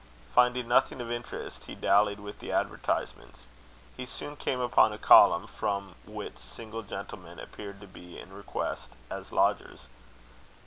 Finding nothing of interest, he dallied with the advertisements. He soon came upon a column from which single gentlemen appeared to be in request as lodgers.